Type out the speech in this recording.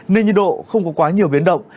nền nhiệt độ không có quá nhiều biến động